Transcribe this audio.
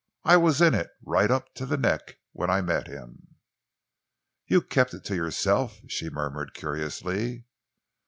I was in it, right up to the neck, when I met him." "You kept it to yourself," she murmured curiously.